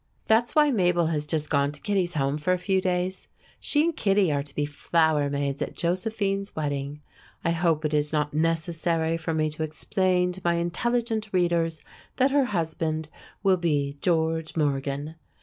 That's why Mabel has just gone to Kittie's home for a few days. She and Kittie are to be flower maids at Josephine's wedding. I hope it is not necessary for me to explain to my intelligent readers that her husband will be George Morgan.